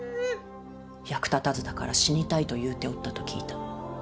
役立たずだから死にたいと言うておったと聞いた。